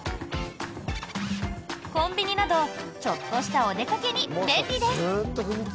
コンビニなどちょっとしたお出かけに便利です。